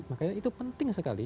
makanya itu penting sekali